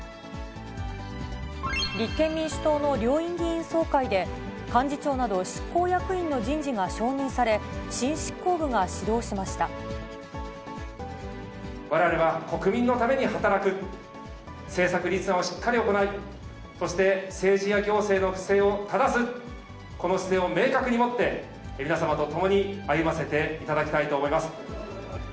立憲民主党の両院議員総会で、幹事長など執行役員の人事が承認され、われわれは国民のために働く、政策立案をしっかり行い、そして政治や行政の不正を正す、この姿勢を明確に持って、皆様とともに歩ませていただきたいと思います。